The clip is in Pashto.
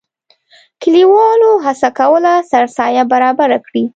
کلیوالو هڅه کوله سرسایه برابره کړي.